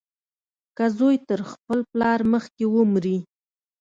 که زوى تر خپل پلار مخکې ومري.